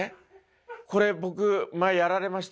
これ、僕、前やられました？